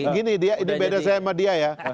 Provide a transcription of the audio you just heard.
gini dia ide beda saya sama dia ya